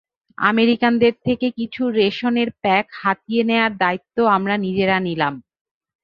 আমেরিকানদের থেকে কিছু রেশনের প্যাক হাতিয়ে নেওয়ার দায়িত্ব আমরা নিজেরা নিলাম।